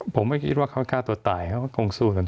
ผมไม่คิดว่าเขาก็ตัวตายเค้ากงสู้จนตัวตาย